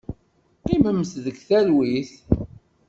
Qqimemt deg talwit.